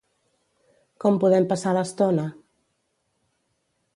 Com podem passar l'estona?